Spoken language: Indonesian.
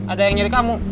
ada yang nyari kamu